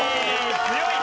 強い！